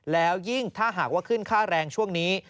แล้วยิ่งถ้าหากว่าขึ้นค่าแรงช่วงนี้